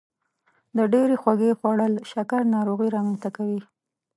د ډیرې خوږې خوړل شکر ناروغي رامنځته کوي.